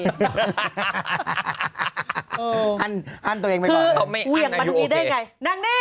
เออหั่นตัวเองไปก่อนเลยคือเวียงประธุีนี้ได้ไงนั่งนี่อะสิ